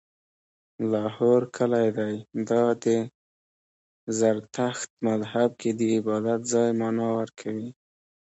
لاهور کلی دی، دا د زرتښت مذهب کې د عبادت ځای معنا ورکوي